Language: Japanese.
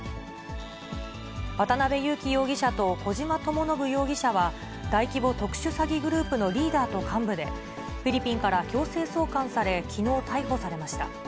渡辺優樹容疑者と小島智信容疑者は、大規模特殊詐欺グループのリーダーと幹部で、フィリピンから強制送還され、きのう逮捕されました。